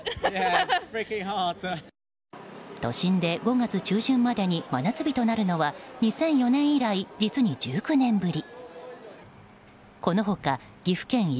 都心で５月上旬までに真夏日となるのは２００４年以来、実に１９年ぶり。